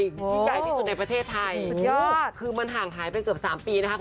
ที่ใหญ่ที่สุดในประเทศไทยสุดยอดคือมันห่างหายไปเกือบ๓ปีนะคะ